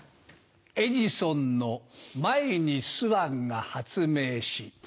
エジソンの前にスワンが発明し。